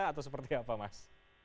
atau seperti apa mas